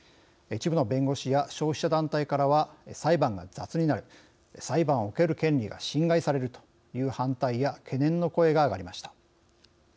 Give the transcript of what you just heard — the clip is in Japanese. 一部の弁護士や消費者団体からは「裁判が雑になる」「裁判を受ける権利が侵害される」という反対や懸念の声が上がりました。